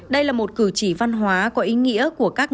đây là một cử chỉ văn hóa có ý nghĩa của các nhà